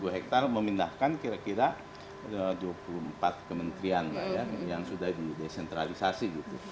seribu hektar memindahkan kira kira dua puluh empat kementerian yang sudah didesentralisasi